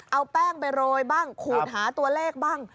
เอาแป้งไปโรยบ้างขูดหาตัวเลขบ้าง